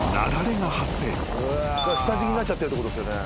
下敷きになっちゃってるってことですよね。